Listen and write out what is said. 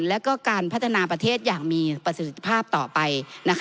แล้วก็การพัฒนาประเทศอย่างมีประสิทธิภาพต่อไป